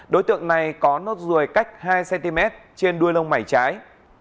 đối tượng này có nốt ruồi cách hai cm trên đuôi lông mảy trái